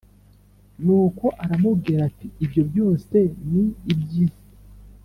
Nuko aramubwira ati ibyo byose ni ibyisi.